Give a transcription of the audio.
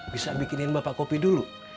bisa bikinin bapak kopi dulu